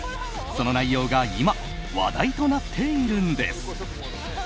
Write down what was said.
その内容が今、話題となっているんです。